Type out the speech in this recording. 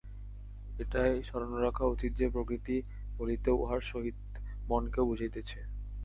এটি স্মরণ রাখা উচিত যে, প্রকৃতি বলিতে উহার সহিত মনকেও বুঝাইতেছে।